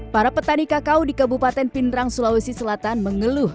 para petani kakao di kabupaten pindrang sulawesi selatan mengeluh